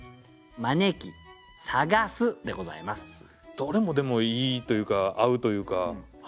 どれもでもいいというか合うというか。